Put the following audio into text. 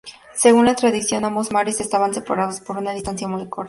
Según la tradición, ambos mares estaban separados por una distancia muy corta.